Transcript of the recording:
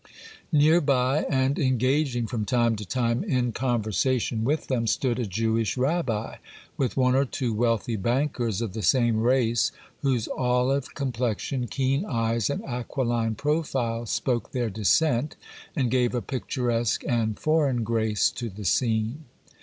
Near by, and engaging from time to time in conversation with them, stood a Jewish Rabbi with one or two wealthy bankers of the same race, whose olive complexion, keen eyes, and aquiline profile spoke their descent, and gave a picturesque and foreign grace to the scene.